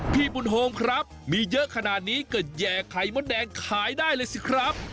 พี่บุญโฮมครับมีเยอะขนาดนี้ก็แย่ไข่มดแดงขายได้เลยสิครับ